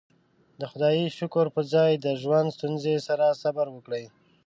د خدايې شکر پر ځای د ژوند ستونزې سره صبر وکړئ.